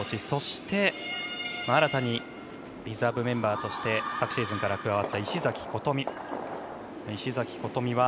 そして、新たにリザーブメンバーとして昨シーズンから加わった石崎琴美。